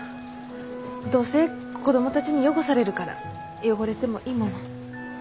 どうせ子供たちに汚されるから汚れてもいいものを。